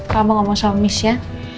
kamu gak usah omis ya